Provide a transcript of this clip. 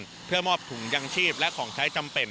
เพื่อมอบถุงยังชีพและของใช้จำเป็น